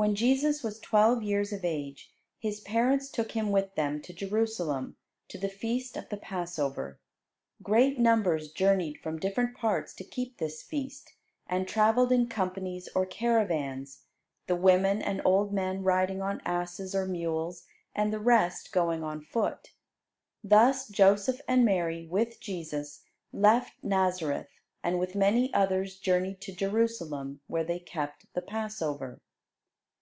When Jesus was twelve years of age, His parents took Him with them to Jerusalem to the feast of the Passover. Great numbers journeyed from different parts to keep this feast; and travelled in companies or caravans, the women and old men riding on asses or mules, and the rest going on foot. Thus Joseph and Mary, with Jesus, left Nazareth, and with many others journeyed to Jerusalem, where they kept the Passover.